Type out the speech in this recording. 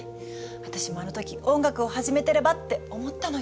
私もあの時音楽を始めてればって思ったのよ。